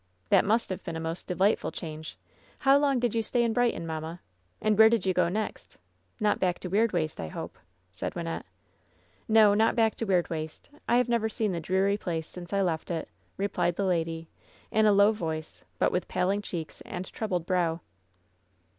"That must have been a most delightful change. How long did you stay in Brighton, mamma? And where did you go next? Not back to Weirdwaste, I hope,'' said Wynnette. "No, not back to Weirdwaste. I have never seen the dreary place since I left it," replied the lady, in a low voice, but with paling cheeks and troubled brow.